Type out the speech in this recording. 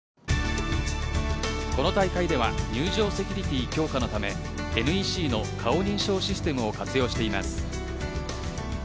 この大会では入場セキュリティー強化のためＮＥＣの顔認証システムを活用しています。